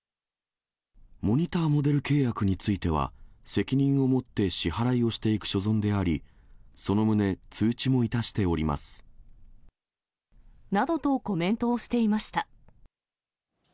モニターモデル契約については、責任を持って支払いをしていく所存であり、その旨、などとコメントをしていました。